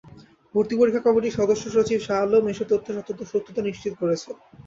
ভর্তি পরীক্ষা কমিটির সদস্যসচিব শাহ আলম এসব তথ্যের সত্যতা নিশ্চিত করেছেন।